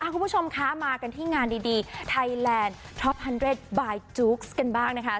คุณผู้ชมคะมากันที่งานดีไทยแลนด์ท็อปฮันเรดบายจู๊กซ์กันบ้างนะคะ